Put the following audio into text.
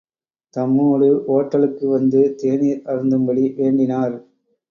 தம்மோடு ஒட்டலுக்கு வந்து தேநீர் அருந்தும்படி வேண்டினார்.